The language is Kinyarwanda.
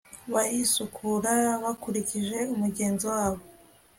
barisukura bakurikije umugenzo wabo